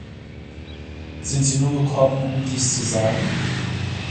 Sind Sie nur gekommen, um dies zu sagen?